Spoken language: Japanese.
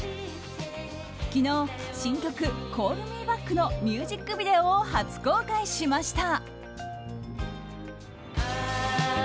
昨日、新曲「Ｃａｌｌｍｅｂａｃｋ」のミュージックビデオを初公開しました。